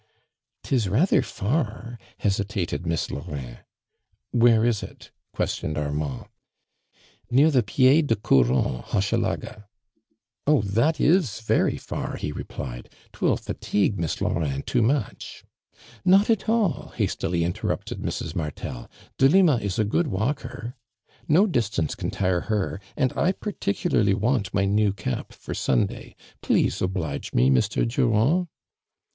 " 'Tis rather far," hesitated Miss Laurin. "Where is it?" questioned Armand. "Near the pied du courant, Ilochelaga." " Oh, that is very far 1" ho replied. " 'Twill fatigue Miss Laurin too much." '' Not at all, "hastily inten upted Mrs. Mar tel. " Delima is a gootl walker. No dis tance can tire her, and I particularly want my new cap for Sunday. Please oblige me. Mr. Durand?"